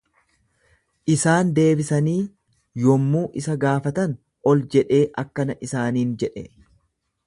Isaan deebisanii yommuu isa gaafatan, ol jedhee akkana isaaniin jedhe.